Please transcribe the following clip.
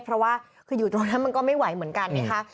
เพราะว่าคืออยู่ตรงนั้นมันก็ไม่ไหวเหมือนกันนะคะ